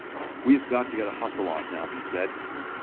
"We have got to get a hustle on now," he said.